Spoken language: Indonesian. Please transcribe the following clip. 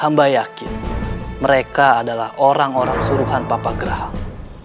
hamba yakin mereka adalah orang orang suruhan papa gerahang